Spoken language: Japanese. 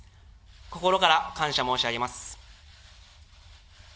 心から感謝申し上げます。